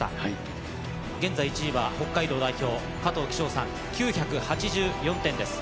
現在１位は北海道代表加藤煕章さん９８４点です。